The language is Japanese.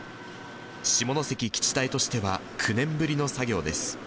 下関基地隊としては９年ぶりの作業です。